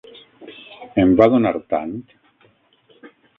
Em va donar tant.